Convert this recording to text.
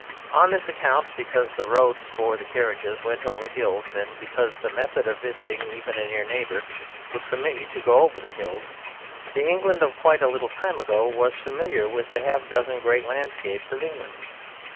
On this account, because the roads for the carriages went over hills, and because the method of visiting even a near neighbour would permit you to go over hills, the England of quite a little time ago was familiar with the half dozen great landscapes of England.